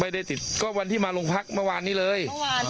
ไม่ได้ติดก็วันที่มาโรงพักเมื่อวานนี้เลย